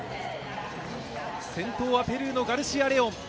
先頭はペルーのガルシア・レオン。